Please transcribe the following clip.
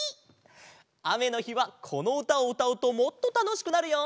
あめのひはこのうたをうたうともっとたのしくなるよ。